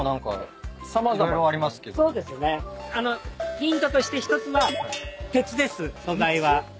ヒントとして１つは鉄です素材は。